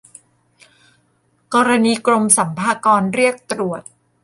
กรณีกรมสรรพากรเรียกตรวจ